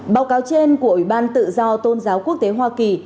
báo cáo trên của ủy ban tự do tôn giáo quốc tế hoa kỳ